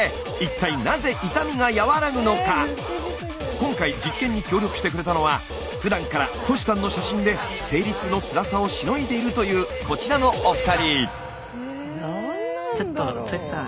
今回実験に協力してくれたのはふだんからトシさんの写真で生理痛のつらさをしのいでいるというこちらのお二人。